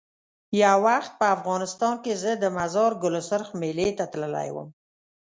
یو وخت په افغانستان کې زه د مزار ګل سرخ میلې ته تللی وم.